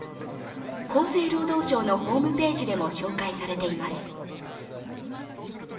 厚生労働省のホームページでも紹介されています。